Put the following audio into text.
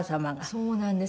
そうなんです。